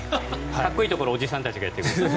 かっこいいところはおじさんたちがやってるので。